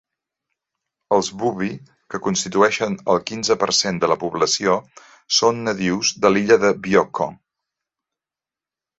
Els Bubi, que constitueixen el quinze per cent de la població, són nadius de l'illa de Bioko.